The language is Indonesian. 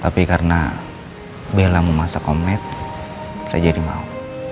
tapi karena bella mau masak omlet saya jadi mau